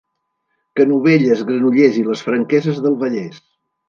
Canovelles, Granollers i les Franqueses del Vallès.